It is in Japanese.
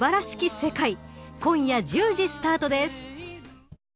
世界今夜１０時スタートです。